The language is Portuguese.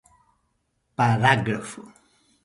Parágrafo